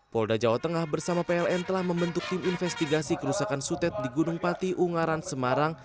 polda jawa tengah bersama pln telah membentuk tim investigasi kerusakan sutet di gunung pati ungaran semarang